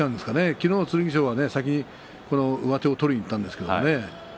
昨日、剣翔は先に上手を取りにいったんですけれどもね。